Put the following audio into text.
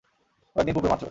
কয়েকদিন পূর্বের মাত্র।